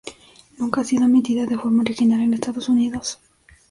Nunca ha sido emitida de forma original en Estados Unidos.